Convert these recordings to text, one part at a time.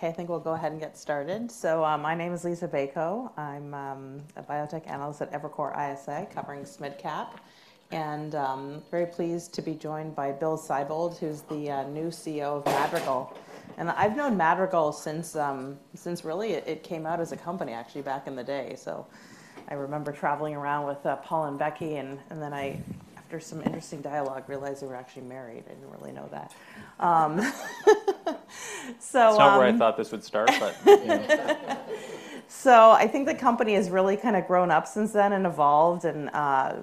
Okay, I think we'll go ahead and get started. So, my name is Liisa Bayko. I'm a Biotech Analyst at Evercore ISI, covering SMID Cap, and very pleased to be joined by Bill Sibold, who's the new CEO of Madrigal. And I've known Madrigal since really it came out as a company, actually, back in the day. So I remember traveling around with Paul and Becky, and then I, after some interesting dialogue, realized they were actually married. I didn't really know that. So, It's not where I thought this would start, but- So I think the company has really kinda grown up since then and evolved and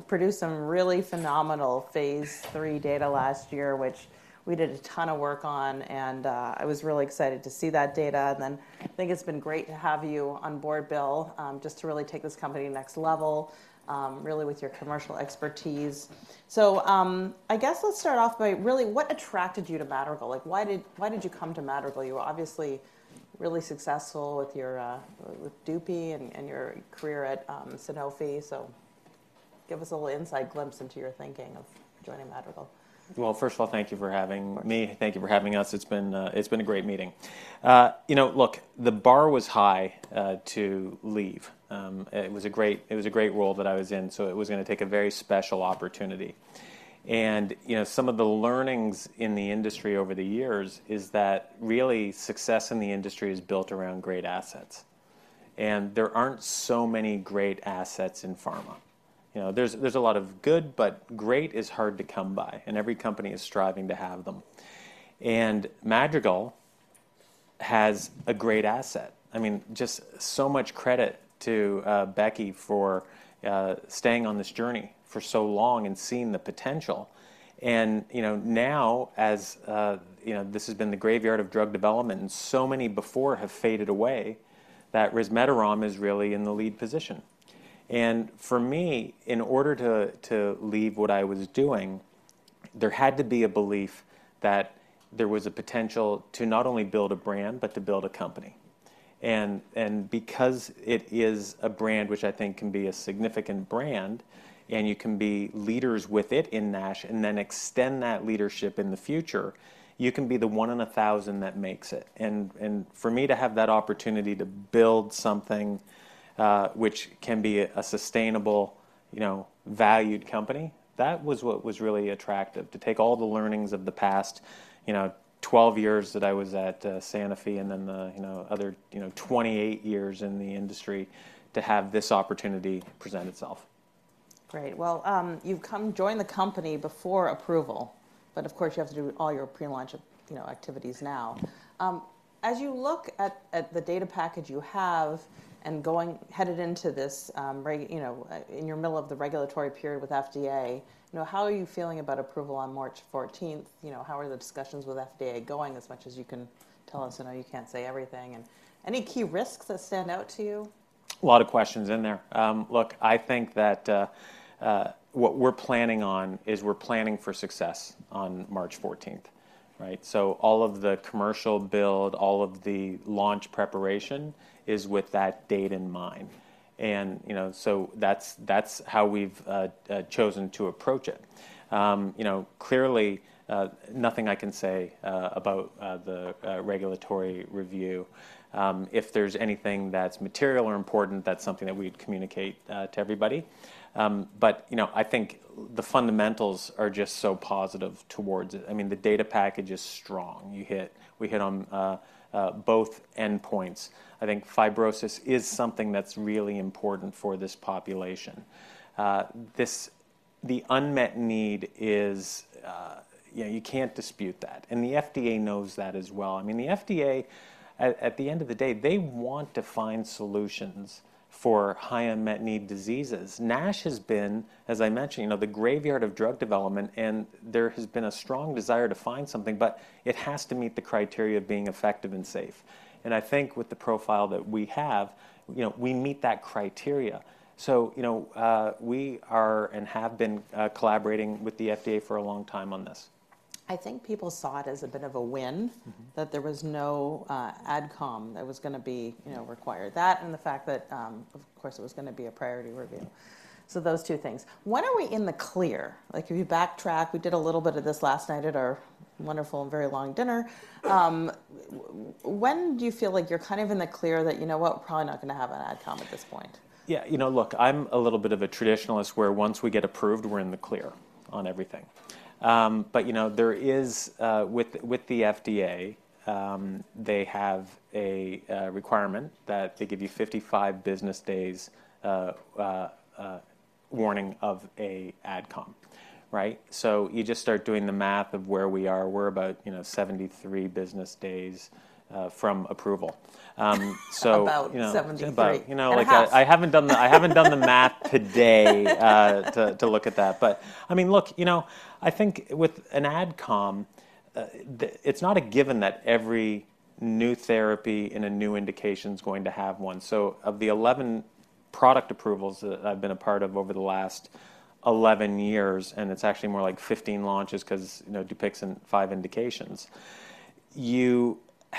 produced some really phenomenal phase 3 data last year, which we did a ton of work on, and I was really excited to see that data. Then I think it's been great to have you on board, Bill, just to really take this company next level, really with your commercial expertise. So I guess let's start off by really, what attracted you to Madrigal? Like, why did you come to Madrigal? You were obviously really successful with Dupixent and your career at Sanofi. So give us a little inside glimpse into your thinking of joining Madrigal. Well, first of all, thank you for having me. Thank you for having us. It's been a great meeting. You know, look, the bar was high to leave. It was a great role that I was in, so it was gonna take a very special opportunity. And, you know, some of the learnings in the industry over the years is that really success in the industry is built around great assets, and there aren't so many great assets in pharma. You know, there's a lot of good, but great is hard to come by, and every company is striving to have them. And Madrigal has a great asset. I mean, just so much credit to Becky for staying on this journey for so long and seeing the potential. You know, now, as you know, this has been the graveyard of drug development, and so many before have faded away, that resmetirom is really in the lead position. And for me, in order to leave what I was doing, there had to be a belief that there was a potential to not only build a brand, but to build a company. And because it is a brand which I think can be a significant brand, and you can be leaders with it in NASH, and then extend that leadership in the future, you can be the one in a thousand that makes it. for me to have that opportunity to build something, which can be a sustainable, you know, valued company, that was what was really attractive, to take all the learnings of the past, you know, 12 years that I was at Sanofi, and then the, you know, other, you know, 28 years in the industry, to have this opportunity present itself. Great. Well, you've joined the company before approval, but of course, you have to do all your pre-launch, you know, activities now. As you look at the data package you have and headed into this, you know, you're in the middle of the regulatory period with FDA, you know, how are you feeling about approval on March 14th? You know, how are the discussions with FDA going, as much as you can tell us? I know you can't say everything. And any key risks that stand out to you? A lot of questions in there. Look, I think that, what we're planning on is we're planning for success on March 14th, right? So all of the commercial build, all of the launch preparation is with that date in mind. And, you know, so that's, that's how we've chosen to approach it. You know, clearly, nothing I can say about the regulatory review. If there's anything that's material or important, that's something that we'd communicate to everybody. But, you know, I think the fundamentals are just so positive towards it. I mean, the data package is strong. We hit on both endpoints. I think fibrosis is something that's really important for this population. The unmet need is... Yeah, you can't dispute that, and the FDA knows that as well. I mean, the FDA, at the end of the day, they want to find solutions for high unmet need diseases. NASH has been, as I mentioned, you know, the graveyard of drug development, and there has been a strong desire to find something, but it has to meet the criteria of being effective and safe. And I think with the profile that we have, you know, we meet that criteria. So, you know, we are and have been collaborating with the FDA for a long time on this. I think people saw it as a bit of a win- Mm-hmm... that there was no Ad Com that was gonna be, you know, required. That and the fact that, of course, it was gonna be a Priority Review. Mm-hmm. So those two things. When are we in the clear? Like, if you backtrack, we did a little bit of this last night at our wonderful and very long dinner. When do you feel like you're kind of in the clear that, "You know what? We're probably not gonna have an Ad Com at this point"? Yeah, you know, look, I'm a little bit of a traditionalist, where once we get approved, we're in the clear on everything. But you know, there is with the FDA, they have a requirement that they give you 55 business days warning of an Ad Com, right? So you just start doing the math of where we are. We're about, you know, 73 business days from approval. So- About 73. But, you know- And a half Like, I haven't done the math today to look at that. But I mean, look, you know, I think with an Ad Com, it's not a given that every new therapy in a new indication is going to have one. So of the 11 product approvals that I've been a part of over the last 11 years, and it's actually more like 15 launches because, you know, Dupixent, 5 indications,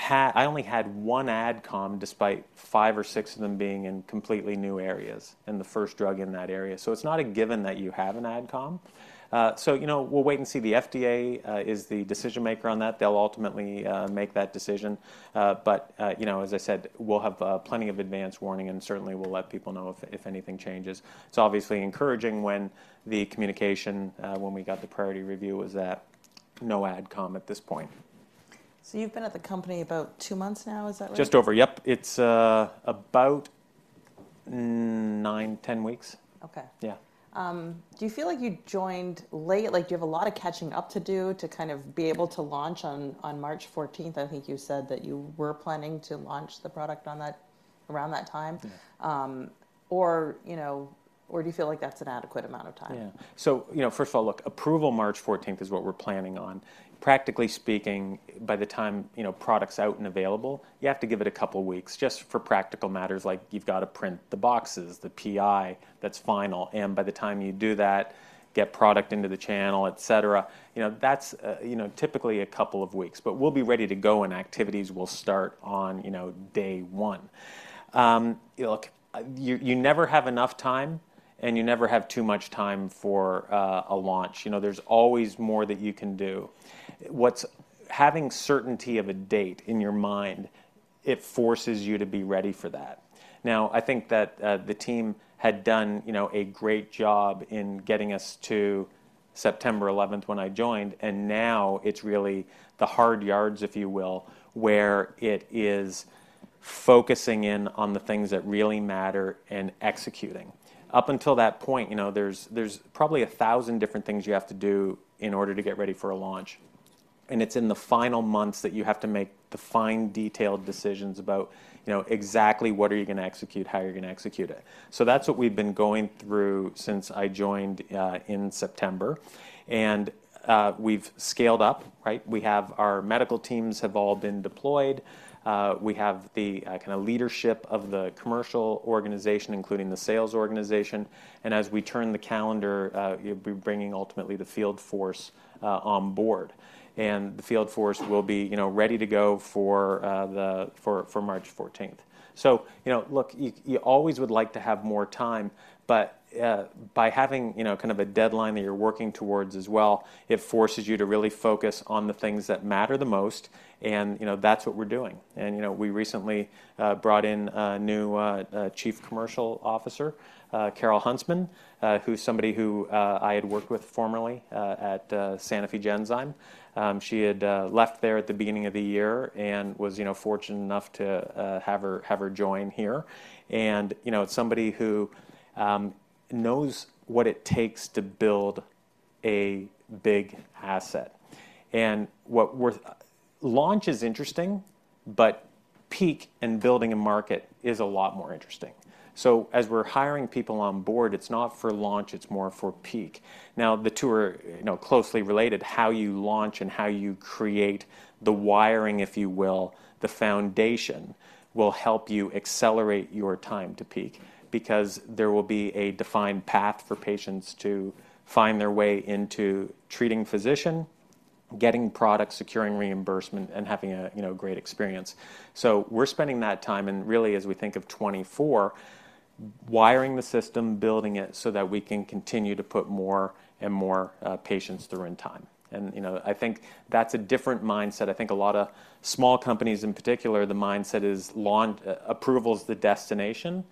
I only had one Ad Com despite 5 or 6 of them being in completely new areas, and the first drug in that area. So it's not a given that you have an Ad Com. So, you know, we'll wait and see. The FDA is the decision maker on that. They'll ultimately make that decision. But, you know, as I said, we'll have plenty of advance warning, and certainly we'll let people know if, if anything changes. It's obviously encouraging when the communication, when we got the Priority Review, was that no Ad Com at this point. You've been at the company about two months now, is that right? Just over. Yep. It's about nine to 10 weeks. Okay. Yeah. Do you feel like you joined late, like, do you have a lot of catching up to do to kind of be able to launch on March 14th? I think you said that you were planning to launch the product on that, around that time. Yeah. you know, or do you feel like that's an adequate amount of time? Yeah. So, you know, first of all, look, approval March 14th is what we're planning on. Practically speaking, by the time, you know, product's out and available, you have to give it a couple of weeks just for practical matters, like you've got to print the boxes, the PI, that's final. And by the time you do that, get product into the channel, et cetera, you know, that's, you know, typically a couple of weeks. But we'll be ready to go, and activities will start on, you know, day one. Look, you never have enough time, and you never have too much time for a launch. You know, there's always more that you can do. Having certainty of a date in your mind, it forces you to be ready for that. Now, I think that the team had done, you know, a great job in getting us to September 11th when I joined, and now it's really the hard yards, if you will, where it is focusing in on the things that really matter and executing. Up until that point, you know, there's probably 1,000 different things you have to do in order to get ready for a launch, and it's in the final months that you have to make the fine detailed decisions about, you know, exactly what are you gonna execute, how you're gonna execute it. So that's what we've been going through since I joined in September. And we've scaled up, right? We have our medical teams have all been deployed. We have the kinda leadership of the commercial organization, including the sales organization. And as we turn the calendar, you'll be bringing ultimately the field force on board, and the field force will be, you know, ready to go for March 14th. So, you know, look, you always would like to have more time, but by having, you know, kind of a deadline that you're working towards as well, it forces you to really focus on the things that matter the most, and, you know, that's what we're doing. And, you know, we recently brought in a new chief commercial officer, Carole Huntsman, who's somebody who I had worked with formerly at Sanofi Genzyme. She had left there at the beginning of the year and was, you know, fortunate enough to have her join here. And, you know, it's somebody who knows what it takes to build a big asset. And launch is interesting, but peak and building a market is a lot more interesting. So as we're hiring people on board, it's not for launch, it's more for peak. Now, the two are, you know, closely related. How you launch and how you create the wiring, if you will, the foundation, will help you accelerate your time to peak, because there will be a defined path for patients to find their way into treating physician, getting product, securing reimbursement, and having a, you know, great experience. So we're spending that time, and really, as we think of 2024, wiring the system, building it, so that we can continue to put more and more patients through in time. And, you know, I think that's a different mindset. I think a lot of small companies, in particular, the mindset is launch, approval is the destination.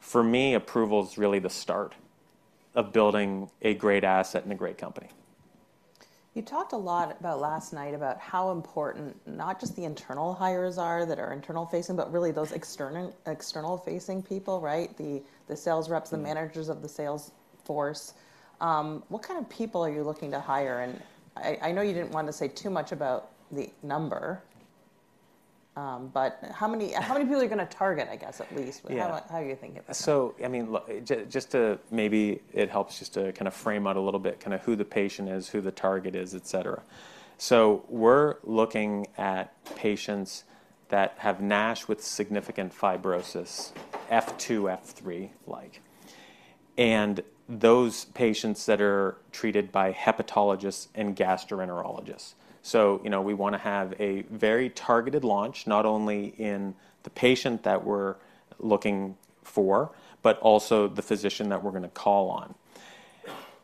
For me, approval is really the start of building a great asset and a great company. You talked a lot about last night, about how important not just the internal hires are that are internal facing, but really those external, external facing people, right? The sales reps- Mm... the managers of the sales force. What kind of people are you looking to hire? And I know you didn't want to say too much about the number, but how many people are you gonna target, I guess, at least- Yeah... how are you thinking about? So, I mean, look, just to maybe it helps just to kind of frame out a little bit, kind of who the patient is, who the target is, et cetera. So we're looking at patients that have NASH with significant fibrosis, F2, F3, like, and those patients that are treated by hepatologists and gastroenterologists. So, you know, we wanna have a very targeted launch, not only in the patient that we're looking for, but also the physician that we're gonna call on.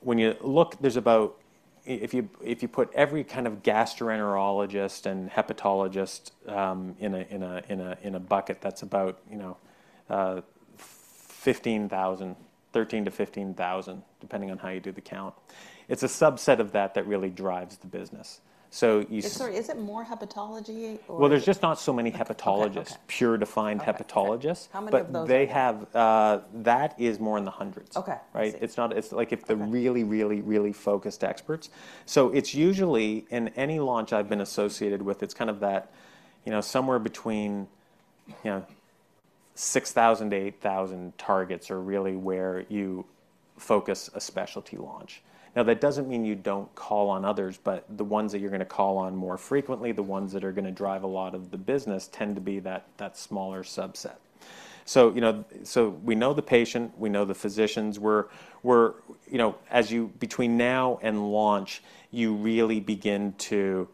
When you look, there's about—if you put every kind of gastroenterologist and hepatologist in a bucket, that's about, you know, 15,000, 13,000-15,000, depending on how you do the count. It's a subset of that that really drives the business. So you- Sorry, is it more hepatology or? Well, there's just not so many hepatologists- Okay, okay... pure defined hepatologists. How many of those are? But they have... That is more in the hundreds. Okay. Right? I see. It's not, it's like if- Okay... the really, really, really focused experts. So it's usually, in any launch I've been associated with, it's kind of that, you know, somewhere between, you know, 6,000-8,000 targets are really where you focus a specialty launch. Now, that doesn't mean you don't call on others, but the ones that you're gonna call on more frequently, the ones that are gonna drive a lot of the business, tend to be that, that smaller subset.... So, you know, so we know the patient, we know the physicians. We're, you know, as you, between now and launch, you really begin to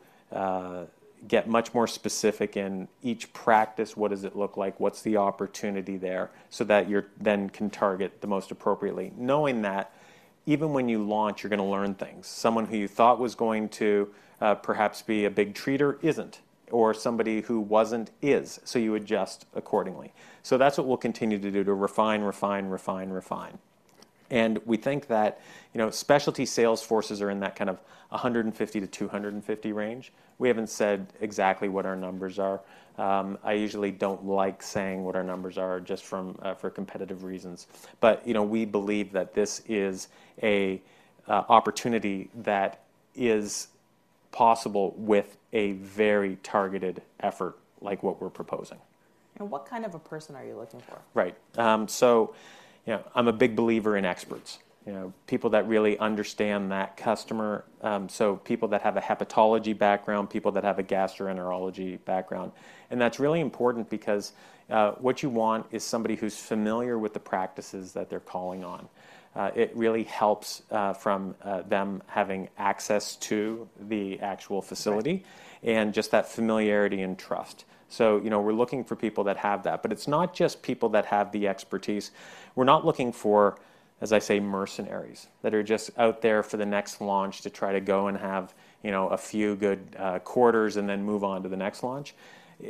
get much more specific in each practice. What does it look like? What's the opportunity there? So that you're, then can target the most appropriately, knowing that even when you launch, you're gonna learn things. Someone who you thought was going to, perhaps be a big treater isn't, or somebody who wasn't, is, so you adjust accordingly. So that's what we'll continue to do to refine, refine, refine, refine. And we think that, you know, specialty sales forces are in that kind of a 150-250 range. We haven't said exactly what our numbers are. I usually don't like saying what our numbers are just from, for competitive reasons. But, you know, we believe that this is a, opportunity that is possible with a very targeted effort, like what we're proposing. What kind of a person are you looking for? Right. So, you know, I'm a big believer in experts, you know, people that really understand that customer. So people that have a hepatology background, people that have a gastroenterology background. And that's really important because, what you want is somebody who's familiar with the practices that they're calling on. It really helps, them having access to the actual facility- Right... and just that familiarity and trust. So, you know, we're looking for people that have that. But it's not just people that have the expertise. We're not looking for, as I say, mercenaries, that are just out there for the next launch to try to go and have, you know, a few good quarters and then move on to the next launch.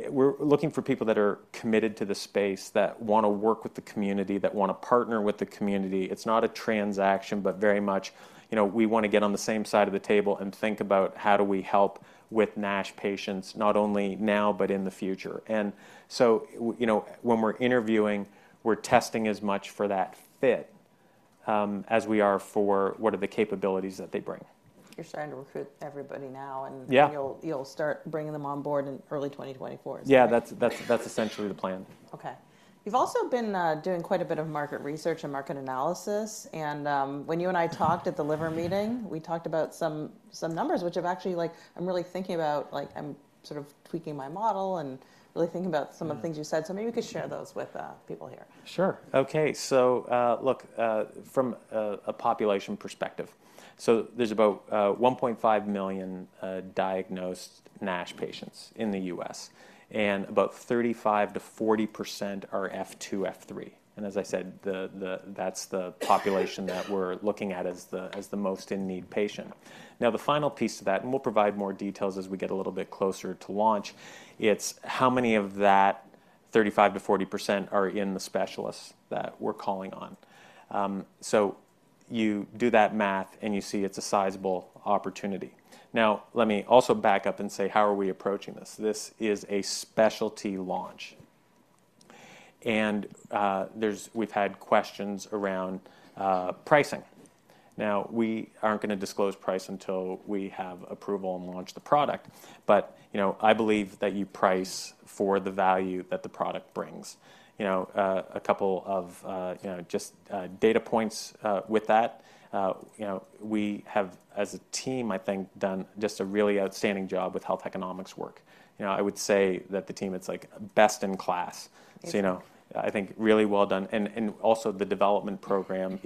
We're looking for people that are committed to the space, that wanna work with the community, that wanna partner with the community. It's not a transaction, but very much, you know, we wanna get on the same side of the table and think about how do we help with NASH patients, not only now, but in the future. And so, you know, when we're interviewing, we're testing as much for that fit, as we are for what are the capabilities that they bring. You're starting to recruit everybody now, and- Yeah... you'll start bringing them on board in early 2024. Yeah, that's essentially the plan. Okay. You've also been doing quite a bit of market research and market analysis, and when you and I talked at the liver meeting, we talked about some numbers which I've actually, like, I'm really thinking about, like, I'm sort of tweaking my model and really thinking about some of the things you said. So maybe you could share those with people here. Sure. Okay. So, look, from a population perspective, so there's about 1.5 million diagnosed NASH patients in the U.S., and about 35%-40% are F2, F3. And as I said, that's the population that we're looking at as the most in-need patient. Now, the final piece to that, and we'll provide more details as we get a little bit closer to launch, it's how many of that 35%-40% are in the specialists that we're calling on? So you do that math, and you see it's a sizable opportunity. Now, let me also back up and say: How are we approaching this? This is a specialty launch. And, we've had questions around pricing. Now, we aren't gonna disclose price until we have approval and launch the product, but, you know, I believe that you price for the value that the product brings. You know, a couple of, you know, just, data points, with that, you know, we have, as a team, I think, done just a really outstanding job with health economics work. You know, I would say that the team, it's like best in class. Yeah. So, you know, I think really well done. And also the development program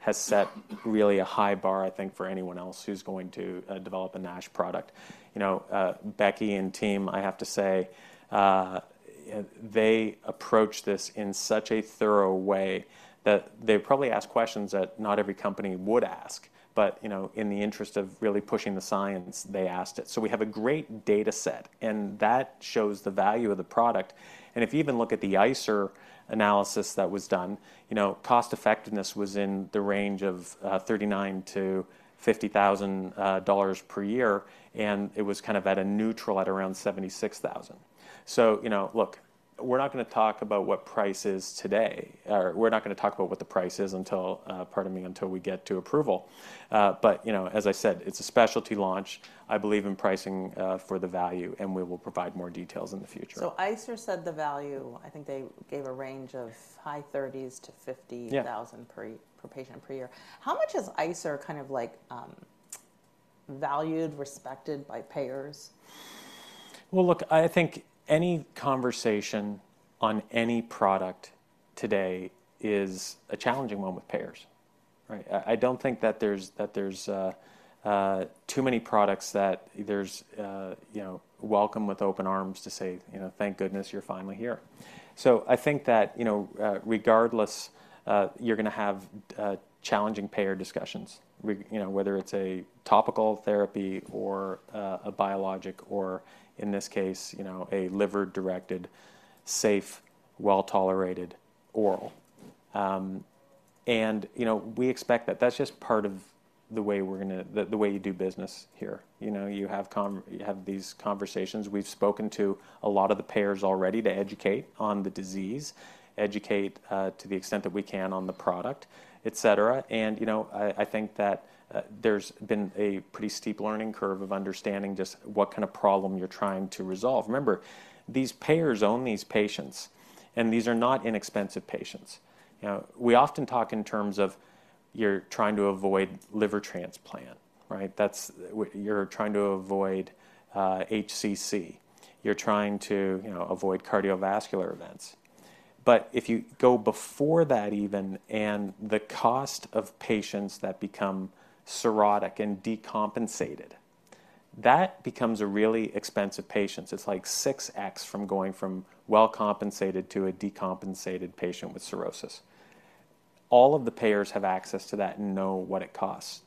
has set really a high bar, I think, for anyone else who's going to develop a NASH product. You know, Becky and team, I have to say, they approach this in such a thorough way that they probably ask questions that not every company would ask, but, you know, in the interest of really pushing the science, they asked it. So we have a great data set, and that shows the value of the product. And if you even look at the ICER analysis that was done, you know, cost effectiveness was in the range of $39,000-$50,000 per year, and it was kind of at a neutral at around $76,000. So, you know, look, we're not gonna talk about what price is today, or we're not gonna talk about what the price is until, pardon me, until we get to approval. But, you know, as I said, it's a specialty launch. I believe in pricing for the value, and we will provide more details in the future. ICER set the value. I think they gave a range of $high 30s-$50-. Yeah... $1,000 per patient per year. How much is ICER kind of like valued, respected by payers? Well, look, I think any conversation on any product today is a challenging one with payers, right? I don't think that there's too many products, you know, welcome with open arms to say, you know, "Thank goodness, you're finally here." So I think that, you know, regardless, you're gonna have challenging payer discussions, you know, whether it's a topical therapy or a biologic, or in this case, you know, a liver-directed, safe, well-tolerated oral. And, you know, we expect that that's just part of the way we're gonna, the way you do business here. You know, you have these conversations. We've spoken to a lot of the payers already to educate on the disease, educate to the extent that we can on the product, et cetera. You know, I think that there's been a pretty steep learning curve of understanding just what kind of problem you're trying to resolve. Remember, these payers own these patients, and these are not inexpensive patients. You know, we often talk in terms of you're trying to avoid liver transplant, right? That's... you're trying to avoid HCC. You're trying to, you know, avoid cardiovascular events.... but if you go before that even, and the cost of patients that become cirrhotic and decompensated, that becomes a really expensive patient. It's like 6x from going from well compensated to a decompensated patient with cirrhosis. All of the payers have access to that and know what it costs.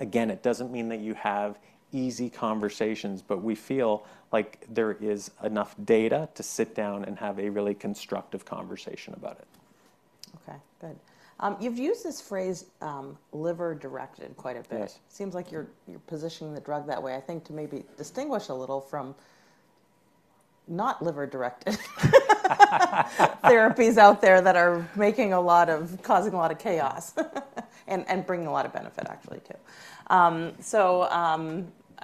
Again, it doesn't mean that you have easy conversations, but we feel like there is enough data to sit down and have a really constructive conversation about it. Okay, good. You've used this phrase, liver-directed quite a bit. Yes. Seems like you're positioning the drug that way, I think, to maybe distinguish a little from not liver-directed therapies out there that are causing a lot of chaos, and bringing a lot of benefit, actually, too.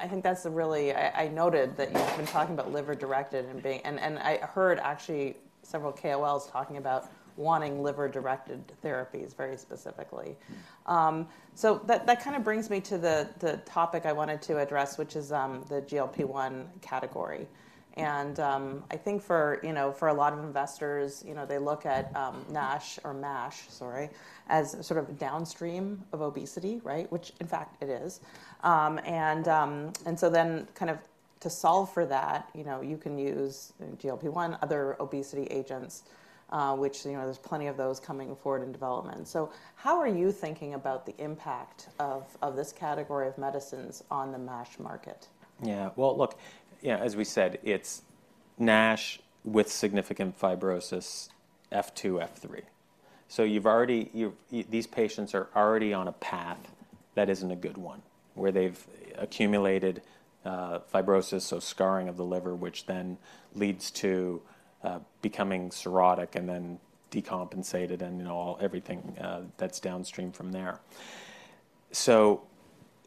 I think that's. I noted that you've been talking about liver-directed, and I heard actually several KOLs talking about wanting liver-directed therapies very specifically. Mm. So that kind of brings me to the topic I wanted to address, which is the GLP-1 category. And I think for, you know, for a lot of investors, you know, they look at NASH or MASH, sorry, as sort of downstream of obesity, right? Which, in fact, it is. And so then kind of to solve for that, you know, you can use GLP-1, other obesity agents, which, you know, there's plenty of those coming forward in development. So how are you thinking about the impact of this category of medicines on the MASH market? Yeah. Well, look, you know, as we said, it's NASH with significant fibrosis, F2, F3. So you've already... These patients are already on a path that isn't a good one, where they've accumulated fibrosis, so scarring of the liver, which then leads to becoming cirrhotic and then decompensated and, you know, everything that's downstream from there. So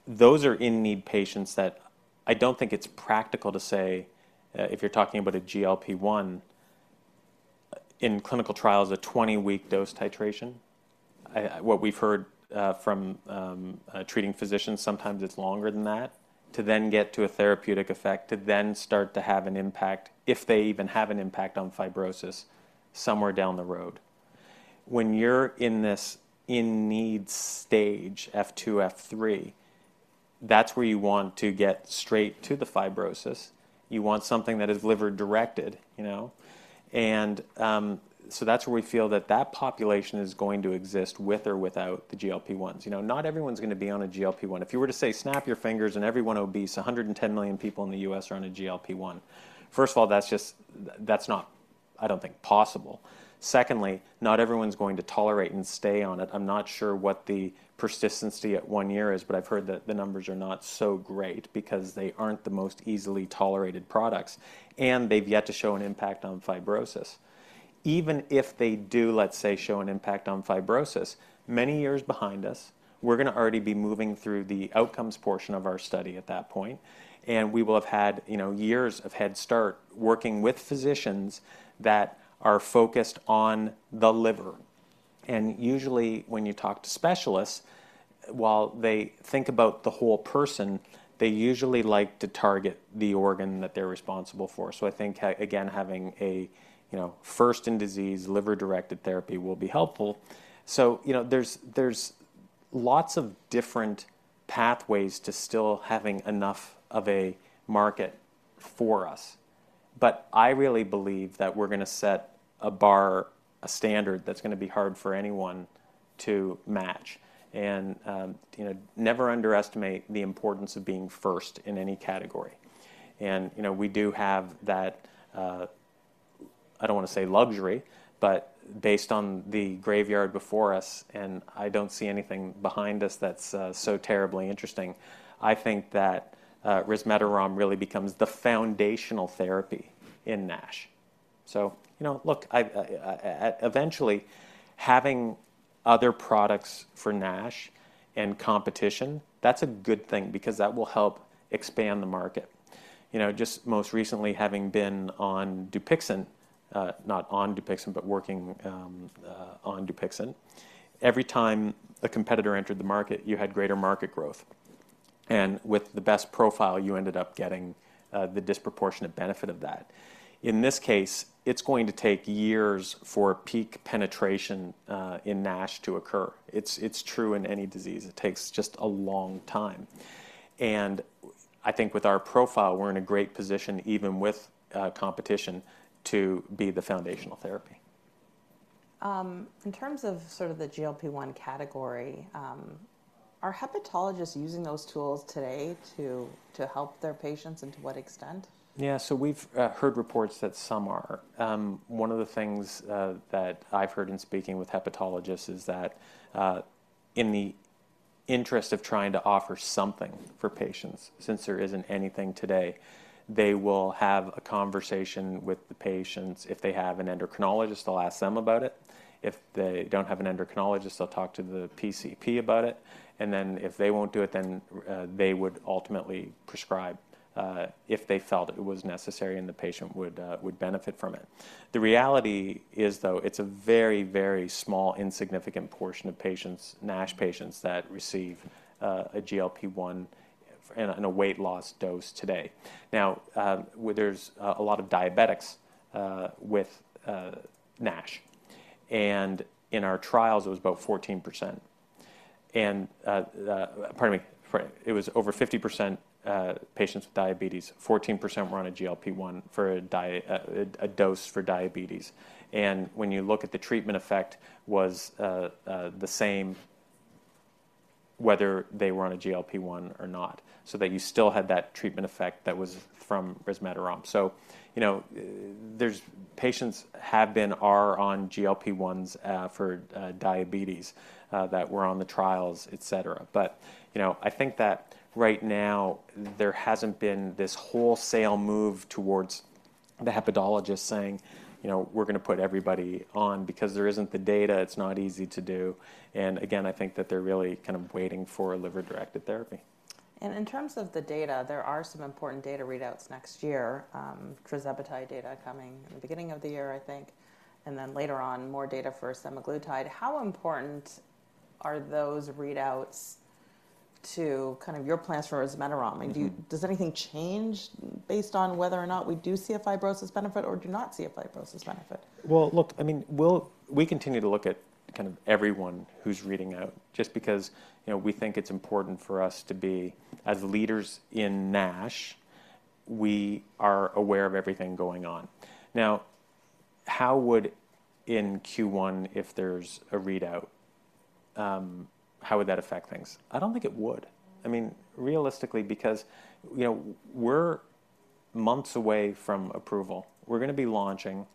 those are in-need patients that I don't think it's practical to say if you're talking about a GLP-1 in clinical trials, a 20-week dose titration. What we've heard from treating physicians, sometimes it's longer than that, to then get to a therapeutic effect, to then start to have an impact, if they even have an impact on fibrosis somewhere down the road. When you're in this in-need stage, F2, F3, that's where you want to get straight to the fibrosis. You want something that is liver-directed, you know? So that's where we feel that that population is going to exist with or without the GLP-1s. You know, not everyone's gonna be on a GLP-1. If you were to say, snap your fingers, and every one obese, 110 million people in the U.S. are on a GLP-1. First of all, that's just not, I don't think, possible. Secondly, not everyone's going to tolerate and stay on it. I'm not sure what the persistency at one year is, but I've heard that the numbers are not so great because they aren't the most easily tolerated products, and they've yet to show an impact on fibrosis. Even if they do, let's say, show an impact on fibrosis, many years behind us, we're gonna already be moving through the outcomes portion of our study at that point, and we will have had, you know, years of head start working with physicians that are focused on the liver. And usually, when you talk to specialists, while they think about the whole person, they usually like to target the organ that they're responsible for. So I think, again, having a, you know, first in disease, liver-directed therapy will be helpful. So, you know, there's lots of different pathways to still having enough of a market for us, but I really believe that we're gonna set a bar, a standard that's gonna be hard for anyone to match. And, you know, never underestimate the importance of being first in any category. You know, we do have that, I don't want to say luxury, but based on the graveyard before us, and I don't see anything behind us that's so terribly interesting, I think that resmetirom really becomes the foundational therapy in NASH. So, you know, look, I eventually, having other products for NASH and competition, that's a good thing because that will help expand the market. You know, just most recently, having been on Dupixent, not on Dupixent, but working on Dupixent, every time a competitor entered the market, you had greater market growth, and with the best profile, you ended up getting the disproportionate benefit of that. In this case, it's going to take years for peak penetration in NASH to occur. It's true in any disease. It takes just a long time. I think with our profile, we're in a great position, even with competition, to be the foundational therapy. In terms of sort of the GLP-1 category, are hepatologists using those tools today to help their patients, and to what extent? Yeah, so we've heard reports that some are. One of the things that I've heard in speaking with hepatologists is that in the interest of trying to offer something for patients, since there isn't anything today, they will have a conversation with the patients. If they have an endocrinologist, they'll ask them about it. If they don't have an endocrinologist, they'll talk to the PCP about it, and then if they won't do it, then they would ultimately prescribe if they felt it was necessary and the patient would benefit from it. The reality is, though, it's a very, very small, insignificant portion of patients, NASH patients, that receive a GLP-1 in a weight loss dose today. Now, well, there's a lot of diabetics with NASH, and in our trials, it was about 14%. And, pardon me, for it was over 50%, patients with diabetes, 14% were on a GLP-1 for a dose for diabetes. And when you look at the treatment effect was the same whether they were on a GLP-1 or not, so that you still had that treatment effect that was from resmetirom. So, you know, there's patients have been, are on GLP-1s for diabetes that were on the trials, et cetera. But, you know, I think that right now there hasn't been this wholesale move towards the hepatologist saying, "You know, we're gonna put everybody on," because there isn't the data, it's not easy to do. Again, I think that they're really kind of waiting for a liver-directed therapy. In terms of the data, there are some important data readouts next year, tirzepatide data coming in the beginning of the year, I think, and then later on, more data for semaglutide. How important are those readouts to kind of your plans for resmetirom? Mm-hmm. I mean, does anything change based on whether or not we do see a fibrosis benefit or do not see a fibrosis benefit? Well, look, I mean, we continue to look at kind of everyone who's reading out, just because, you know, we think it's important for us to be... As leaders in NASH, we are aware of everything going on. Now, how would in Q1, if there's a readout, how would that affect things? I don't think it would. Mm. I mean, realistically, because, you know, we're months away from approval. We're gonna be launching.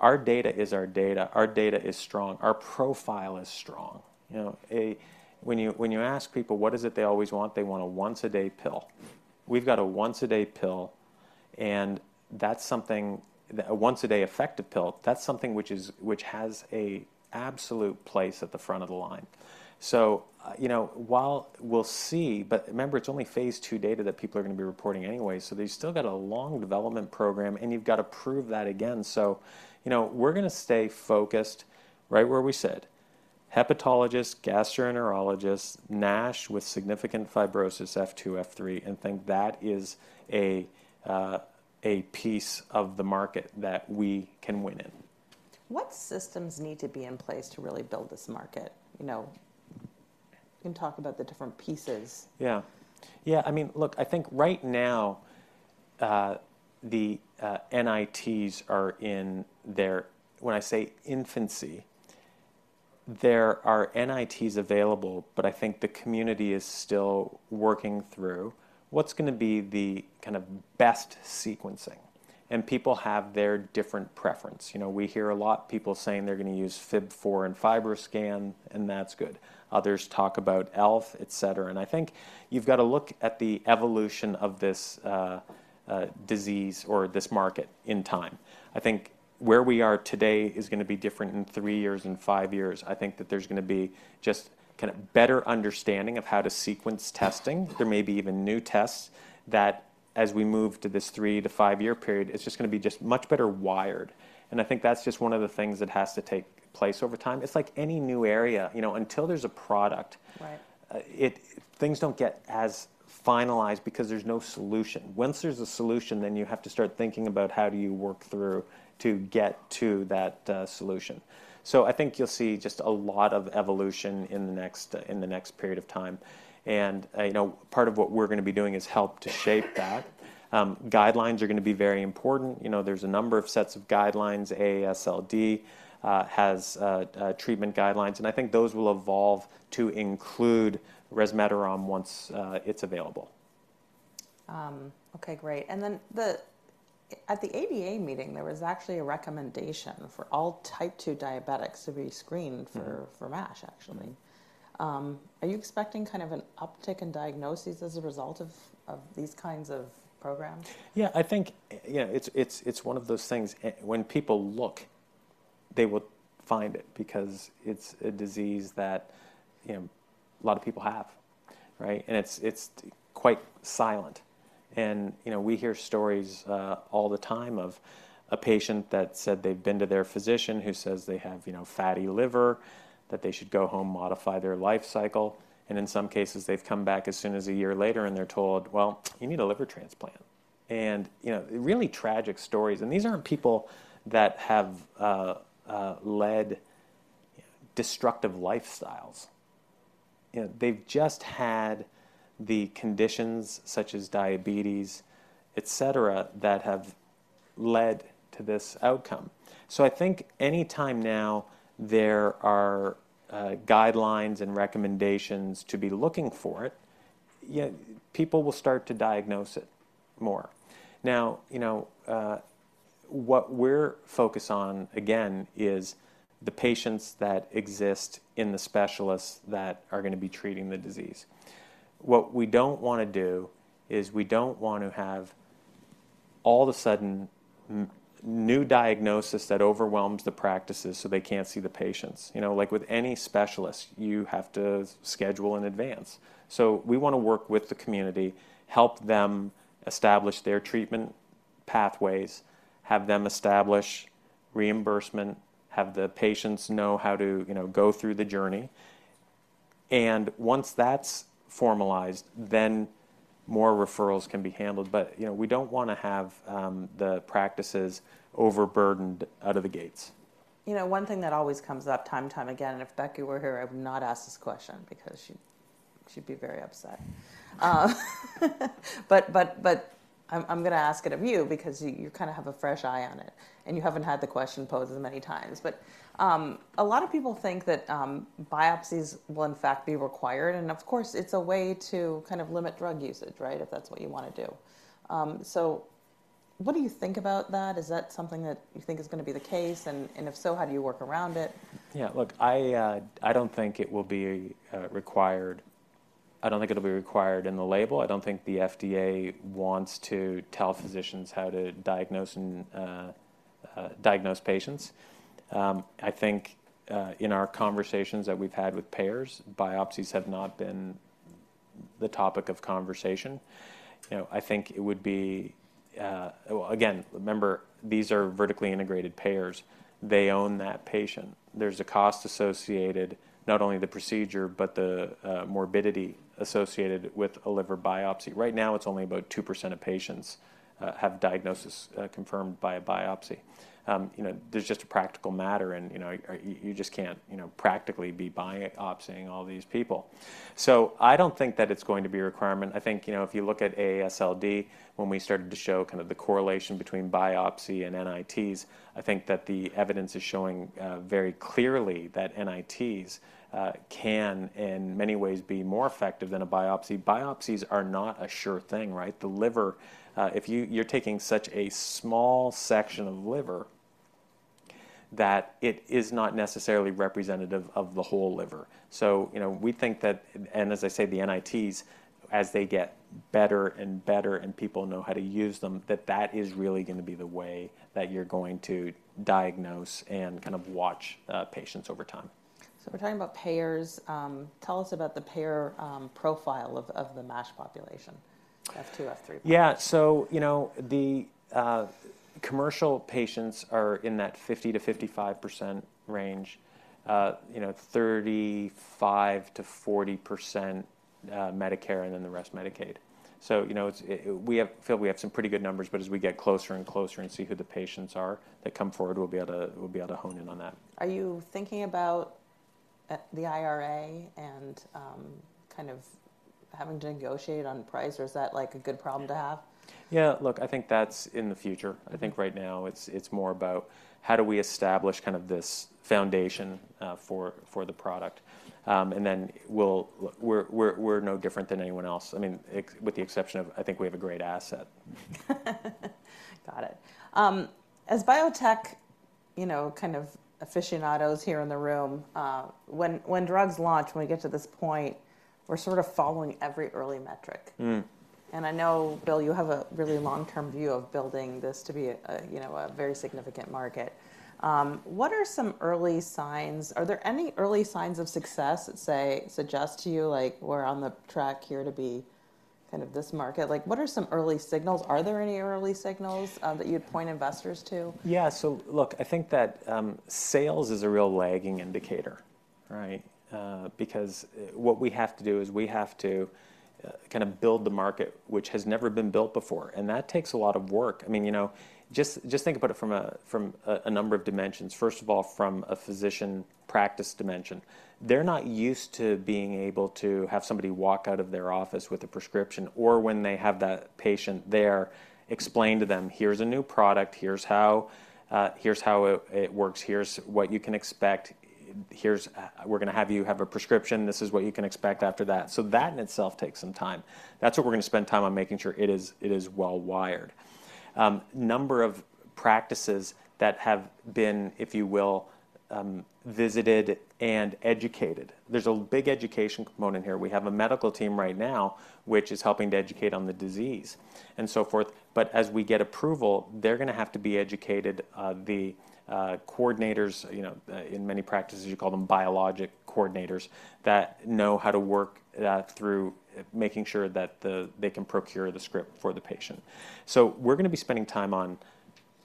Our data is our data. Our data is strong. Our profile is strong. You know, when you, when you ask people, what is it they always want? They want a once-a-day pill. We've got a once-a-day pill, and that's something, a once-a-day effective pill, that's something which has an absolute place at the front of the line. So, you know, while we'll see, but remember, it's only Phase II data that people are gonna be reporting anyway, so they still got a long development program, and you've got to prove that again. So, you know, we're gonna stay focused right where we said: hepatologists, gastroenterologists, NASH with significant fibrosis, F2, F3, and think that is a, a piece of the market that we can win in. What systems need to be in place to really build this market? You know, you can talk about the different pieces. Yeah. Yeah, I mean, look, I think right now, the NITs are in their, when I say, infancy, there are NITs available, but I think the community is still working through what's gonna be the kind of best sequencing, and people have their different preference. You know, we hear a lot people saying they're gonna use FIB-4 and FibroScan, and that's good. Others talk about ELF, et cetera. And I think you've got to look at the evolution of this disease or this market in time. I think where we are today is gonna be different in three years, in five years. I think that there's gonna be just kind of better understanding of how to sequence testing. There may be even new tests that, as we move to this three- to five-year period, it's just gonna be just much better wired. I think that's just one of the things that has to take place over time. It's like any new area, you know, until there's a product- Right... things don't get as finalized because there's no solution. Once there's a solution, then you have to start thinking about how do you work through to get to that, solution. So I think you'll see just a lot of evolution in the next, in the next period of time. And, you know, part of what we're gonna be doing is help to shape that. Guidelines are gonna be very important. You know, there's a number of sets of guidelines. AASLD has treatment guidelines, and I think those will evolve to include resmetirom once it's available. Okay, great. And then at the ADA meeting, there was actually a recommendation for all Type 2 diabetics to be screened- Mm-hmm... for NASH, actually. Are you expecting kind of an uptick in diagnoses as a result of these kinds of programs? Yeah, I think, yeah, it's one of those things, when people look, they will find it, because it's a disease that, you know, a lot of people have, right? And it's quite silent. And, you know, we hear stories all the time of a patient that said they've been to their physician, who says they have, you know, fatty liver, that they should go home, modify their lifecycle, and in some cases, they've come back as soon as a year later and they're told, "Well, you need a liver transplant." And, you know, really tragic stories, and these aren't people that have led destructive lifestyles. You know, they've just had the conditions such as diabetes, et cetera, that have led to this outcome. So I think any time now, there are guidelines and recommendations to be looking for it, yet people will start to diagnose it more. Now, you know, what we're focused on, again, is the patients that exist in the specialists that are gonna be treating the disease. What we don't wanna do is we don't want to have all of a sudden, new diagnosis that overwhelms the practices, so they can't see the patients. You know, like with any specialist, you have to schedule in advance. So we wanna work with the community, help them establish their treatment pathways, have them establish reimbursement, have the patients know how to, you know, go through the journey. And once that's formalized, then more referrals can be handled. But, you know, we don't wanna have the practices overburdened out of the gates. You know, one thing that always comes up time and time again, and if Becky were here, I would not ask this question because she'd be very upset. But I'm gonna ask it of you because you kinda have a fresh eye on it, and you haven't had the question posed as many times. But a lot of people think that biopsies will in fact be required, and of course, it's a way to kind of limit drug usage, right? If that's what you wanna do. So what do you think about that? Is that something that you think is gonna be the case, and if so, how do you work around it? Yeah, look, I, I don't think it will be required. I don't think it'll be required in the label. I don't think the FDA wants to tell physicians how to diagnose patients. I think in our conversations that we've had with payers, biopsies have not been the topic of conversation. You know, I think it would be... Well, again, remember, these are vertically integrated payers. They own that patient. There's a cost associated, not only the procedure, but the morbidity associated with a liver biopsy. Right now, it's only about 2% of patients have diagnosis confirmed by a biopsy. You know, there's just a practical matter, and, you know, you just can't, you know, practically be biopsying all these people. So I don't think that it's going to be a requirement. I think, you know, if you look at AASLD, when we started to show kind of the correlation between biopsy and NITs, I think that the evidence is showing very clearly that NITs can in many ways be more effective than a biopsy. Biopsies are not a sure thing, right? The liver, if you're taking such a small section of liver, that it is not necessarily representative of the whole liver. So, you know, we think that and as I say, the NITs, as they get better and better, and people know how to use them, that that is really gonna be the way that you're going to diagnose and kind of watch patients over time. We're talking about payers. Tell us about the payer profile of the MASH population, F2, F3. Yeah. So, you know, the commercial patients are in that 50%-55% range, you know, 35%-40%, Medicare, and then the rest, Medicaid. So, you know, we feel we have some pretty good numbers, but as we get closer and closer and see who the patients are that come forward, we'll be able to, we'll be able to hone in on that. Are you thinking about the IRA and kind of having to negotiate on price, or is that like a good problem to have? Yeah, look, I think that's in the future. I think right now it's more about how do we establish kind of this foundation for the product? And then we're no different than anyone else. I mean, with the exception of, I think, we have a great asset. Got it. As biotech, you know, kind of aficionados here in the room, when drugs launch, when we get to this point, we're sort of following every early metric. Mm. I know, Bill, you have a really long-term view of building this to be a, you know, a very significant market. What are some early signs? Are there any early signs of success that suggest to you like, we're on the track here to be kind of this market? Like, what are some early signals? Are there any early signals that you'd point investors to? Yeah. So look, I think that, sales is a real lagging indicator, right? Because, what we have to do is we have to, kind of build the market, which has never been built before, and that takes a lot of work. I mean, you know, just, just think about it from a, from a, a number of dimensions. First of all, from a physician practice dimension, they're not used to being able to have somebody walk out of their office with a prescription, or when they have that patient there, explain to them, "Here's a new product. Here's how, here's how it, it works. Here's what you can expect. Here's- we're gonna have you have a prescription. This is what you can expect after that." So that in itself takes some time. That's what we're gonna spend time on, making sure it is well wired. Number of practices that have been, if you will, visited and educated. There's a big education component here. We have a medical team right now, which is helping to educate on the disease and so forth. But as we get approval, they're gonna have to be educated, the coordinators, you know, in many practices, you call them biologic coordinators, that know how to work through making sure that they can procure the script for the patient. So we're gonna be spending time on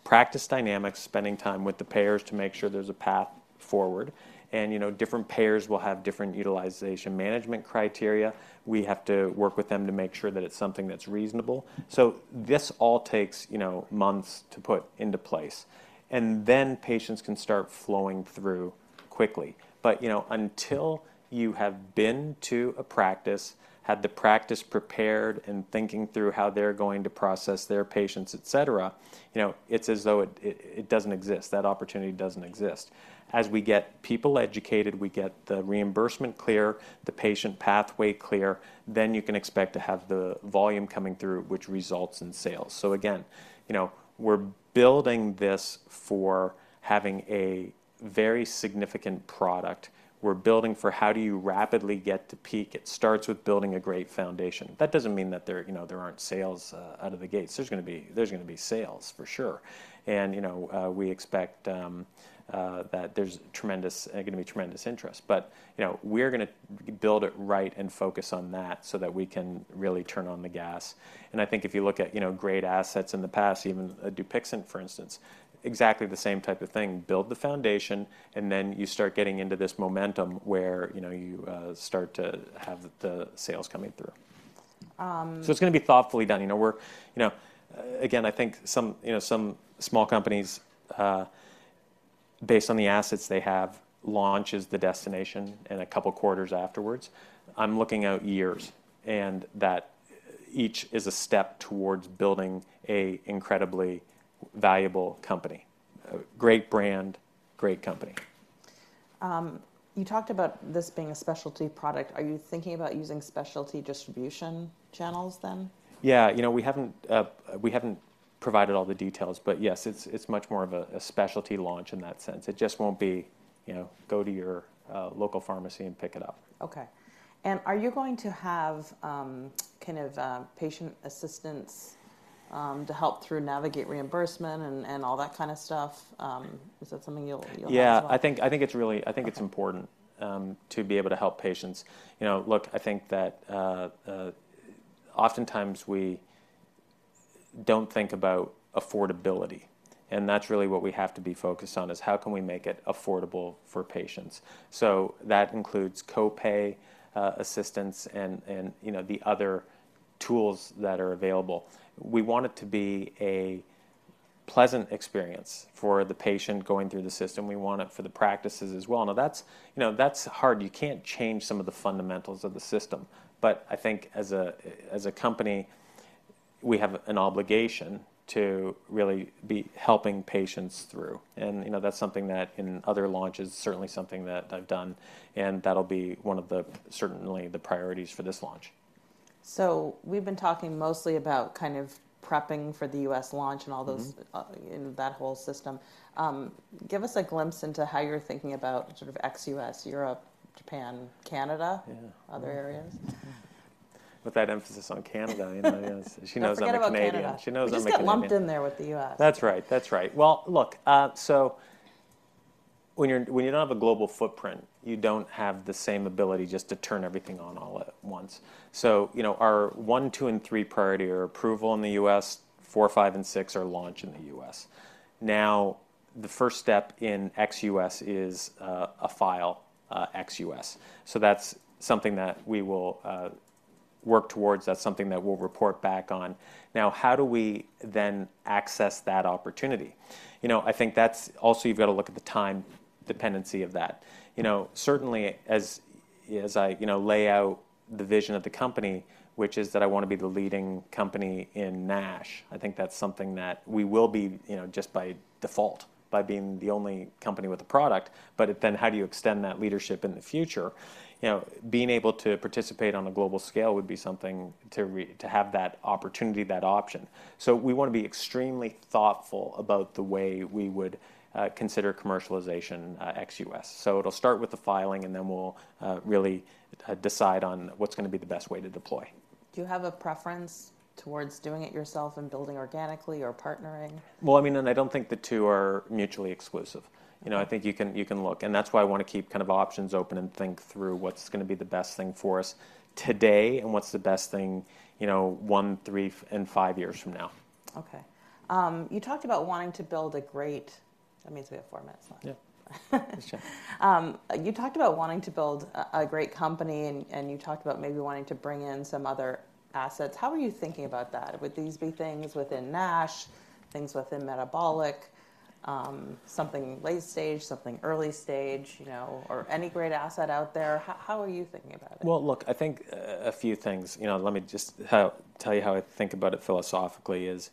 practice dynamics, spending time with the payers to make sure there's a path forward. And, you know, different payers will have different utilization management criteria. We have to work with them to make sure that it's something that's reasonable. So this all takes, you know, months to put into place, and then patients can start flowing through quickly. But, you know, until you have been to a practice, had the practice prepared and thinking through how they're going to process their patients, et cetera, you know, it's as though it doesn't exist, that opportunity doesn't exist. As we get people educated, we get the reimbursement clear, the patient pathway clear, then you can expect to have the volume coming through, which results in sales. So again, you know, we're building this for having a very significant product. We're building for: How do you rapidly get to peak? It starts with building a great foundation. That doesn't mean that there, you know, there aren't sales out of the gates. There's gonna be, there's gonna be sales, for sure. You know, we expect that there's gonna be tremendous interest. But, you know, we're gonna build it right and focus on that so that we can really turn on the gas. And I think if you look at, you know, great assets in the past, even, DUPIXENT, for instance, exactly the same type of thing. Build the foundation, and then you start getting into this momentum where, you know, you, start to have the sales coming through. So it's gonna be thoughtfully done. You know, we're, you know, again, I think some, you know, some small companies, based on the assets they have, launch is the destination and a couple quarters afterwards. I'm looking out years, and that each is a step towards building an incredibly valuable company. A great brand, great company. You talked about this being a specialty product. Are you thinking about using specialty distribution channels then? Yeah, you know, we haven't, we haven't provided all the details, but yes, it's, it's much more of a, a specialty launch in that sense. It just won't be, you know, go to your, local pharmacy and pick it up. Okay. And are you going to have, kind of, patient assistance, to help through navigate reimbursement and all that kind of stuff? Is that something you'll have as well? Yeah, I think it's really- Okay... I think it's important to be able to help patients. You know, look, I think that, oftentimes we don't think about affordability, and that's really what we have to be focused on, is how can we make it affordable for patients? So that includes co-pay assistance, and you know, the other tools that are available. We want it to be a pleasant experience for the patient going through the system. We want it for the practices as well. Now, that's, you know, that's hard. You can't change some of the fundamentals of the system. But I think as a company, we have an obligation to really be helping patients through. And, you know, that's something that in other launches, certainly something that I've done, and that'll be one of the certainly the priorities for this launch. We've been talking mostly about kind of prepping for the U.S. launch and all those- Mm-hmm... you know, that whole system. Give us a glimpse into how you're thinking about sort of ex-US, Europe, Japan, Canada- Yeah... other areas. With that emphasis on Canada, you know? Yes, she knows I'm a Canadian. Don't forget about Canada. She knows I'm a Canadian. It just got lumped in there with the U.S. That's right, that's right. Well, look, so when you don't have a global footprint, you don't have the same ability just to turn everything on all at once. So, you know, our one, two, and three priority are approval in the U.S., four, five, and six are launch in the U.S. Now, the first step in ex-U.S. is a file ex-U.S. So that's something that we will work towards, that's something that we'll report back on. Now, how do we then access that opportunity? You know, I think that's... Also, you've got to look at the time dependency of that. You know, certainly, as I you know lay out the vision of the company, which is that I wanna be the leading company in NASH. I think that's something that we will be, you know, just by default, by being the only company with a product. But then how do you extend that leadership in the future? You know, being able to participate on a global scale would be something to have that opportunity, that option. So we wanna be extremely thoughtful about the way we would consider commercialization ex-US. So it'll start with the filing, and then we'll really decide on what's gonna be the best way to deploy. Do you have a preference towards doing it yourself and building organically or partnering? Well, I mean, and I don't think the two are mutually exclusive. You know, I think you can, you can look, and that's why I wanna keep kind of options open and think through what's gonna be the best thing for us today, and what's the best thing, you know, 1, 3, and 5 years from now. Okay. You talked about wanting to build. That means we have four minutes left. Yeah. Sure. You talked about wanting to build a great company, and you talked about maybe wanting to bring in some other assets. How are you thinking about that? Would these be things within NASH, things within metabolic, something late-stage, something early-stage, you know, or any great asset out there? How are you thinking about it? Well, look, I think a few things. You know, let me just tell you how I think about it philosophically, is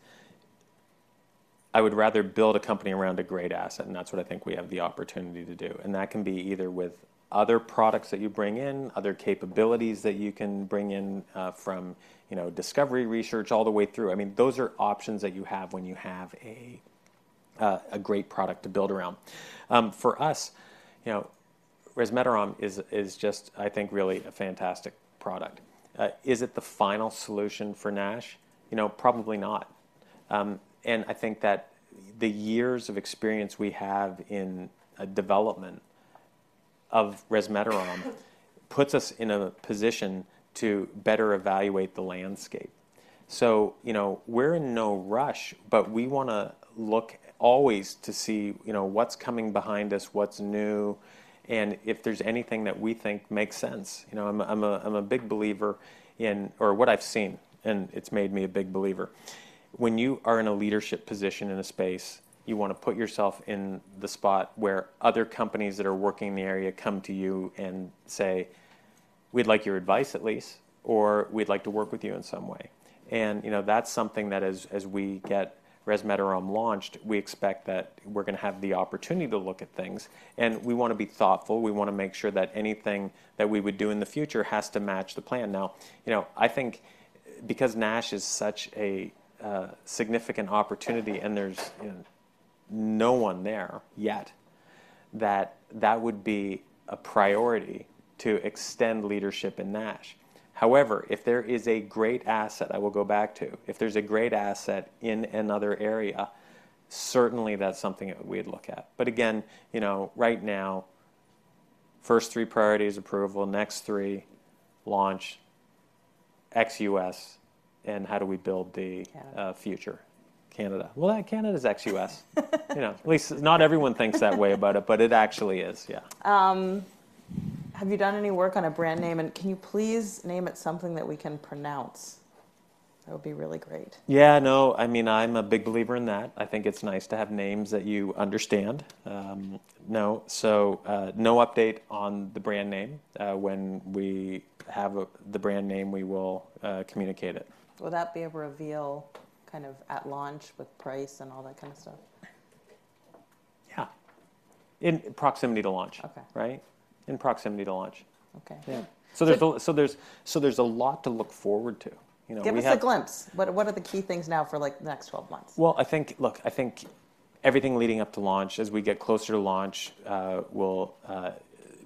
I would rather build a company around a great asset, and that's what I think we have the opportunity to do. And that can be either with other products that you bring in, other capabilities that you can bring in, from, you know, discovery research all the way through. I mean, those are options that you have when you have a great product to build around. For us, you know, resmetirom is just, I think, really a fantastic product. Is it the final solution for NASH? You know, probably not. And I think that the years of experience we have in development of resmetirom puts us in a position to better evaluate the landscape. So, you know, we're in no rush, but we wanna look always to see, you know, what's coming behind us, what's new, and if there's anything that we think makes sense. You know, I'm a, I'm a, I'm a big believer in- or what I've seen, and it's made me a big believer: when you are in a leadership position in a space, you wanna put yourself in the spot where other companies that are working in the area come to you and say, "We'd like your advice, at least," or, "We'd like to work with you in some way." And, you know, that's something that as, as we get resmetirom launched, we expect that we're gonna have the opportunity to look at things. And we wanna be thoughtful, we wanna make sure that anything that we would do in the future has to match the plan. Now, you know, I think because NASH is such a significant opportunity and there's, you know, no one there yet, that that would be a priority to extend leadership in NASH. However, if there is a great asset, I will go back to, if there's a great asset in another area, certainly that's something that we'd look at. But again, you know, right now, first three priority is approval, next three, launch ex-US... and how do we build the- Yeah future Canada? Well, Canada's ex-US. You know, at least not everyone thinks that way about it, but it actually is, yeah. Have you done any work on a brand name, and can you please name it something that we can pronounce? That would be really great. Yeah, no, I mean, I'm a big believer in that. I think it's nice to have names that you understand. No, no update on the brand name. When we have the brand name, we will communicate it. Will that be a reveal kind of at launch with price and all that kind of stuff? Yeah. In proximity to launch. Okay. Right? In proximity to launch. Okay. Yeah. So there's a lot to look forward to. You know, we have- Give us a glimpse. What, what are the key things now for, like, the next 12 months? Well, I think... Look, I think everything leading up to launch, as we get closer to launch, we'll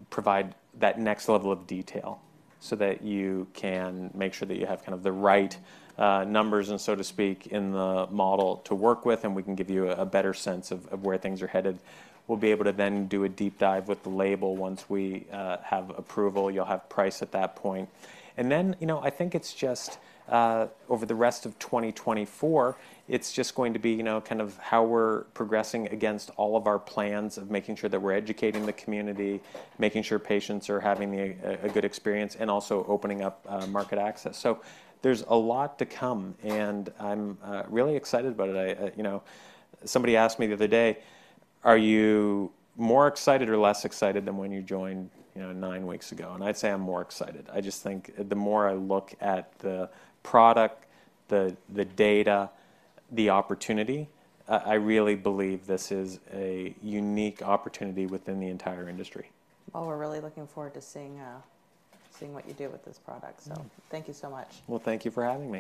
provide that next level of detail so that you can make sure that you have kind of the right numbers and so to speak, in the model to work with, and we can give you a better sense of where things are headed. We'll be able to then do a deep dive with the label once we have approval. You'll have price at that point. And then, you know, I think it's just over the rest of 2024, it's just going to be, you know, kind of how we're progressing against all of our plans of making sure that we're educating the community, making sure patients are having a good experience, and also opening up market access. So there's a lot to come, and I'm really excited about it. You know, somebody asked me the other day: "Are you more excited or less excited than when you joined, you know, nine weeks ago?" And I'd say I'm more excited. I just think the more I look at the product, the data, the opportunity, I really believe this is a unique opportunity within the entire industry. Well, we're really looking forward to seeing what you do with this product. Mm. Thank you so much. Well, thank you for having me.